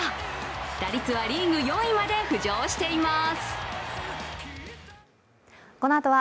打率はリーグ４位まで浮上しています。